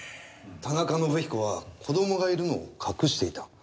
田中伸彦は子供がいるのを隠していた。